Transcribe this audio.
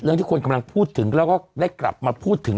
ที่คนกำลังพูดถึงแล้วก็ได้กลับมาพูดถึง